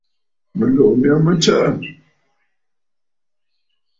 Mɨ̀tlùʼù mya mə tsəʼə̂.